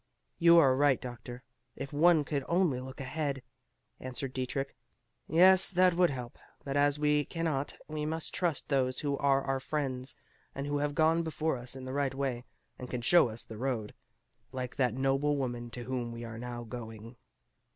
"You are right, doctor. If one could only look ahead!" answered Dietrich. "Yes, that would help; but as we cannot, we must trust those who are our friends, and who have gone before us in the right way, and can show us the road; like that noble woman to whom we are now going."